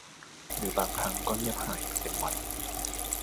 หรือบางครั้งก็เงียบหายไปเป็นวัน